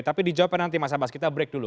tapi dijawabkan nanti mas abbas kita break dulu